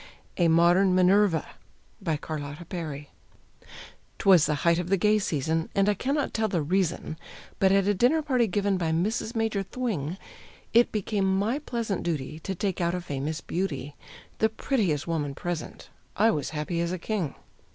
A MODERN MINERVA. BY CARLOTTA PERRY. 'Twas the height of the gay season, and I cannot tell the reason, But at a dinner party given by Mrs. Major Thwing It became my pleasant duty to take out a famous beauty The prettiest woman present. I was happy as a king.